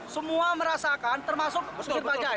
semua merasakan termasuk sudir bajaj